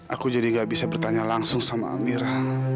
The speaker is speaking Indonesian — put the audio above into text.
aku jadi gak bisa bertanya langsung sama amira